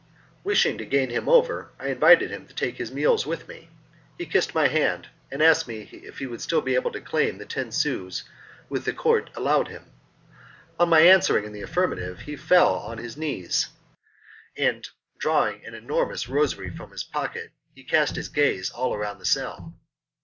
Wishing to gain him over, I invited him to take his meals with me. He kissed my hand, and asked me if he would still be able to claim the ten sous which the Court had allowed him. On my answering in the affirmative he fell on his knees, and drawing an enormous rosary from his pocket he cast his gaze all round the cell.